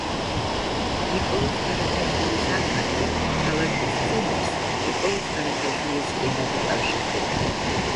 ნიკოლოზ ბარათაშვილის აღმართი ქალაქის ცენტრს ნიკოლოზ ბარათაშვილის ხიდით უკავშირდება.